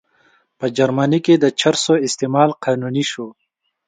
په جرمني کې د چرسو استعمال قانوني شو.